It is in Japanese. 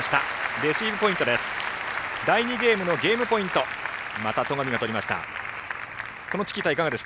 レシーブポイントです。